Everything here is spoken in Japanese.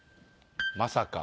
まさか。